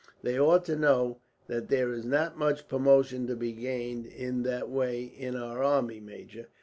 "They ought to know that there is not much promotion to be gained in that way in our army, major.